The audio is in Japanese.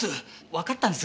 わかったんです。